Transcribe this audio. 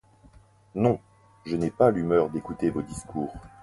Non ! je n'ai pas l'humeur d'écouter vos discours